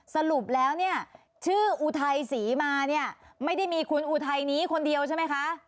สรุปแล้วเนี่ยชื่ออุทัยศรีมาเนี่ยไม่ได้มีคุณอุทัยนี้คนเดียวใช่ไหมคะ